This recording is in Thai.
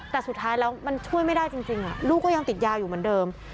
แต่สุดท้ายแล้วมันช่วยไม่ได้จริงลูกก็ยังติดยาอยู่เหมือนเดิม